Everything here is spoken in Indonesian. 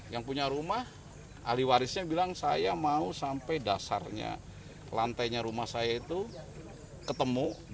yang punya rumah ahli warisnya bilang saya mau sampai dasarnya lantainya rumah saya itu ketemu